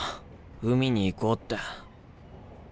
海に行こうって。